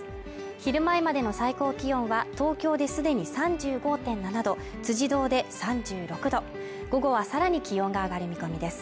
昼前までの最高気温は東京で既に３５．７度、辻堂で３６度午後はさらに気温が上がる見込みです。